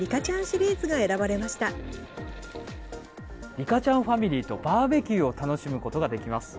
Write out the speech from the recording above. リカちゃんファミリーとバーベキューを楽しむことができます。